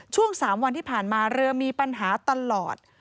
ช่วง๓วันที่ผ่านมาเรือมีปัญหาตลอด